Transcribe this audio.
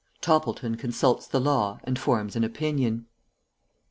TOPPLETON CONSULTS THE LAW AND FORMS AN OPINION.